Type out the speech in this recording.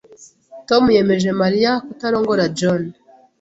Tom yemeje Mariya kutarongora John.